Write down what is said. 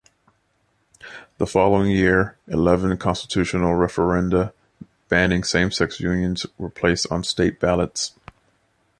The following year, eleven constitutional referenda banning same-sex unions were placed on state ballots.